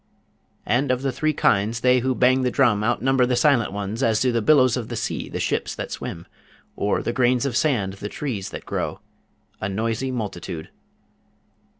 And of the three kinds, they who bang the drum outnumber the silent ones as do the billows of the sea the ships that swim, or the grains of sand the trees that grow; a noisy multitude.